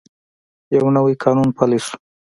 یو نوی قانون پلی شو.